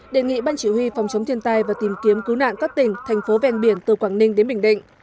đề nghị ban chỉ huy phòng chống thiên tai và tìm kiếm cứu nạn các tỉnh thành phố ven biển từ quảng ninh đến bình định